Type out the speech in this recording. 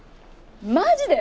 マジで？